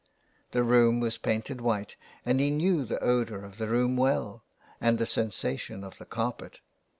The room was painted white, and he knew the odour of tie room well, and the sensation of the carpet.